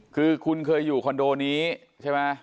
คือคุณเคยอยู่คอนโดนี้ใช่ไหม